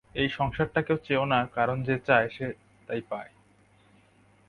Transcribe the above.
এই সংসারটাকে চেও না, কারণ যে যা চায়, সে তাই পায়।